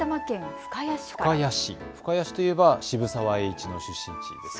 深谷市と言えば渋沢栄一の出身地ですね。